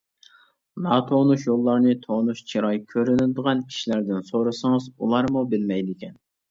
ناتونۇش يوللارنى تونۇش چىراي كۆرۈنىدىغان كىشىلەردىن سورىسىڭىز ئۇلارمۇ بىلمەيدىكەن.